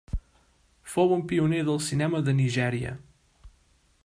Fou un pioner del Cinema de Nigèria.